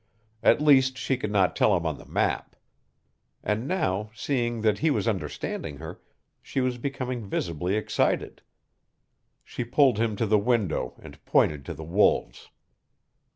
At least she could not tell him on the map. And now, seeing that he was understanding her, she was becoming visibly excited. She pulled him to the window and pointed to the wolves.